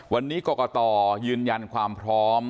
วันนี้กรกตยืนยันความพร้อม